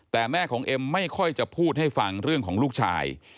แต่แม่ของเอ็มไม่ค่อยจะพูดให้ฟังเรื่องของลูกชาย